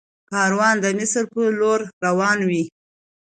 کاروان د مصر په لور روان وي.